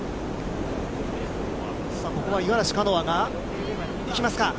ここは五十嵐カノアがいきますか。